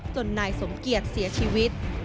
นายสมเกียจเสียชีวิต